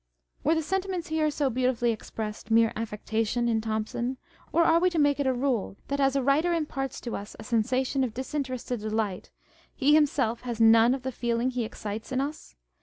Were the sentiments here so beautifully expressed mere affectation in Thomson ; or are we to make it a rule that as a writer imparts to us a sensation of disinterested delight, he himself has none of the feeling he excites in us